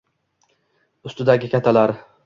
Ustidagi kattalari